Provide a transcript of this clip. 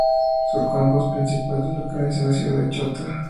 Su campus principal se localiza en la ciudad de Chota.